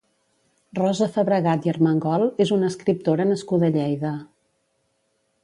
Rosa Fabregat i Armengol és una escriptora nascuda a Lleida.